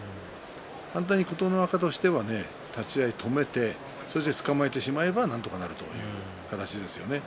反対に琴ノ若としては立ち合い止めてつかまえてしまえばなんとかなるという形ですよね。